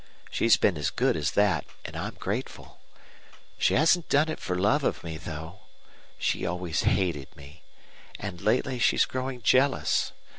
She's been as good as that, and I'm grateful. She hasn't done it for love of me, though. She always hated me. And lately she's growing jealous.